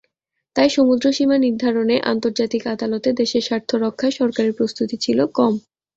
তাই সমুদ্রসীমা নির্ধারণে আন্তর্জাতিক আদালতে দেশের স্বার্থ রক্ষায় সরকারের প্রস্তুতি ছিল কম।